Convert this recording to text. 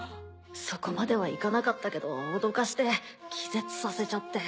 そこまではいかなかったけど脅かして気絶させちゃって。